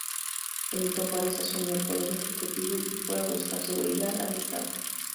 Benito Juárez, asumió el poder ejecutivo y fue a buscar seguridad al estado.